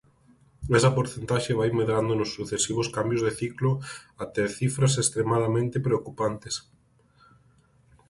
Esa porcentaxe "vai medrando nos sucesivos cambios de ciclo até cifras extremadamente preocupantes".